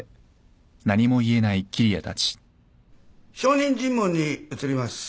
証人尋問に移ります。